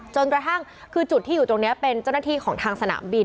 จนกระทั่งคือจุดที่อยู่ตรงนี้เป็นเจ้าหน้าที่ของทางสนามบิน